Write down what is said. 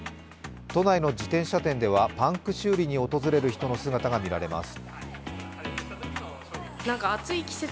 都内の自転車店ではパンク修理に訪れる人の姿が見られます。